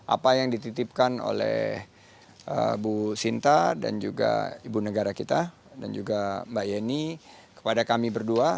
apa yang dititipkan oleh bu sinta dan juga ibu negara kita dan juga mbak yeni kepada kami berdua